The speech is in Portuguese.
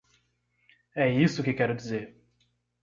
É isso que quero dizer.